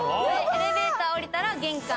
エレベーター降りたら玄関。